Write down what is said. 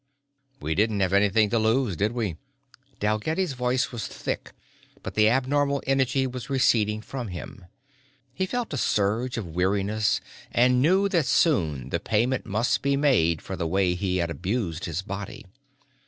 "We didn't have anything to lose, did we?" Dalgetty's voice was thick but the abnormal energy was receding from him. He felt a surge of weariness and knew that soon the payment must be made for the way he had abused his body.